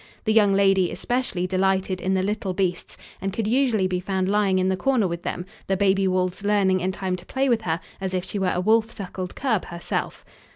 The young lady especially delighted in the little beasts and could usually be found lying in the corner with them, the baby wolves learning in time to play with her as if she were a wolf suckled cub herself.